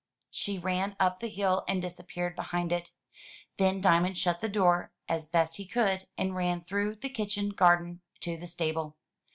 She ran up the hill and disappeared behind it. Then Dia mond shut the door as he best could, and ran through the kit chen garden to the stable.